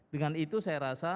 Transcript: dengan itu saya rasa